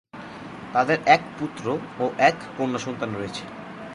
তাদের এক পুত্র ও এক কন্যা সন্তান রয়েছে।